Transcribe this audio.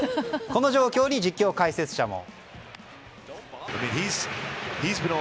この状況に実況、解説者も。